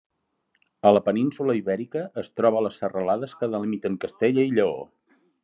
A la península Ibèrica es troba a les serralades que delimiten Castella i Lleó.